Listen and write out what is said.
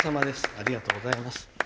ありがとうございます。